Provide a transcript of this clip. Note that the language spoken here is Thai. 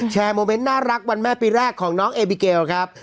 โมเมนต์น่ารักวันแม่ปีแรกของน้องเอบิเกลครับ